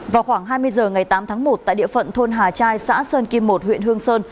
vào khoảng hai mươi h ngày tám tháng một tại địa phận thôn hà trai xã sơn kim một huyện hương sơn